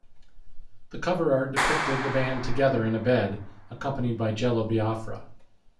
The cover art depicted the band together in a bed, accompanied by Jello Biafra.